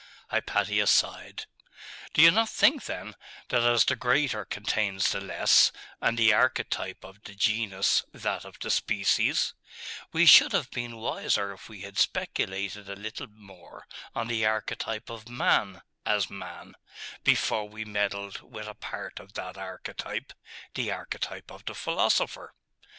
Hypatia sighed. 'Do you not think, then, that as the greater contains the less, and the archetype of the genus that of the species, we should have been wiser if we had speculated a little more on the archetype of man as man, before we meddled with a part of that archetype, the archetype of the philosopher?....